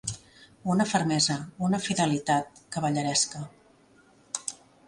Una fermesa, una fidelitat, cavalleresca.